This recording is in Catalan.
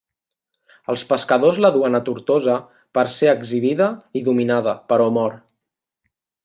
Els pescadors la duen a Tortosa per ser exhibida i dominada però mor.